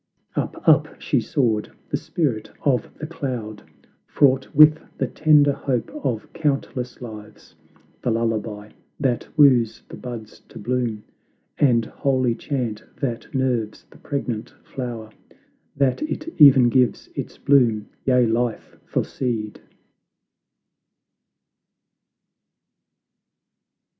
Up, up she soared, the spirit of the cloud, Fraught with the tender hope of countless lives, The lullaby that woos the buds to bloom, And holy chant that nerves the pregnant flower, That it e'en gives its bloom, yea life for seed!